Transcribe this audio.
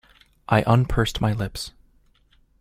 I unpursed my lips.